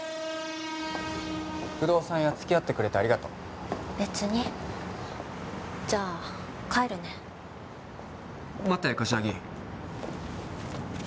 不動産屋つきあってくれてありがと別にじゃあ帰るね待って柏木